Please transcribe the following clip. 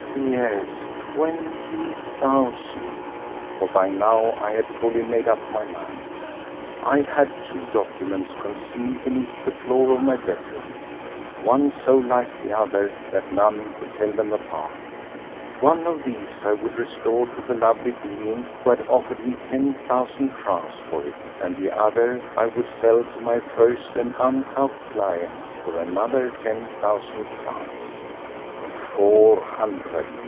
Yes, twenty thousand, for by now I had fully made up my mind. I had two documents concealed beneath the floor of my bedroom—one so like the other that none could tell them apart. One of these I would restore to the lovely being who had offered me ten thousand francs for it, and the other I would sell to my first and uncouth client for another ten thousand francs! Four hundred!